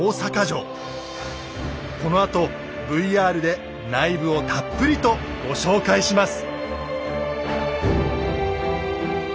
このあとＶＲで内部をたっぷりとご紹介します。